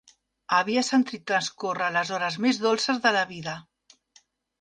Havia sentit transcórrer les hores més dolces de la vida.